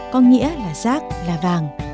có nghĩa là rác là vàng